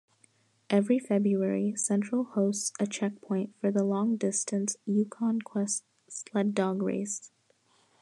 Every February, Central hosts a checkpoint for the long-distance Yukon Quest sled dog race.